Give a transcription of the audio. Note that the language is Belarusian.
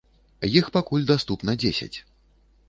Іх пакуль даступна дзесяць.